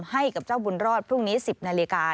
ให้กับเจ้าบุญรอดพรุ่งนี้๑๐นาฬิกา